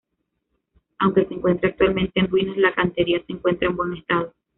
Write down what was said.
Aunque se encuentra actualmente en ruinas, la cantería se encuentra en buen estado.